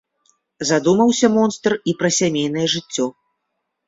Задумаўся монстр і пра сямейнае жыццё.